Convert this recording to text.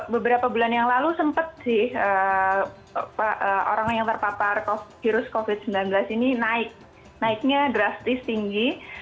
beberapa bulan yang lalu sempat sih orang yang terpapar virus covid sembilan belas ini naik naiknya drastis tinggi